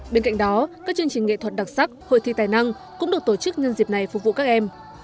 bên cạnh đó các chương trình nghệ thuật đặc sắc hội thi tài năng cũng được tổ chức nhân dịp này phục vụ các em